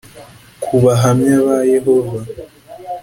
Ku bahamya ba Yehova